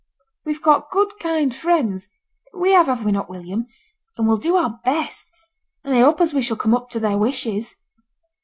We've got good kind friends we have, have we not, William? and we'll do our best, and I hope as we shall come up to their wishes.'